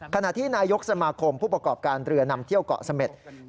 ขณะที่นายกสมาคมผู้ประกอบการเรือนำเที่ยวเกาะเสม็ด